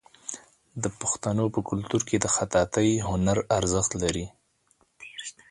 د پښتنو په کلتور کې د خطاطۍ هنر ارزښت لري.